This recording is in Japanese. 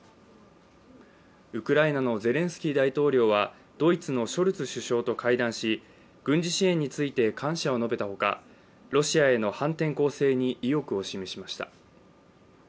ウクライナのゼレンスキー大統領はドイツのショルツ首相と会談し軍事支援について感謝を述べたほか、ロシアへの反転攻勢に意欲を示しました。